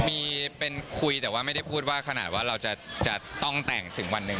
มีเป็นคุยแต่ว่าไม่ได้พูดว่าขนาดว่าเราจะต้องแต่งถึงวันหนึ่ง